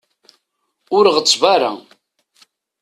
Ur ɣetteb ara.